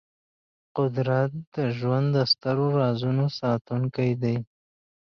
قدرت د ژوند د سترو رازونو ساتونکی دی.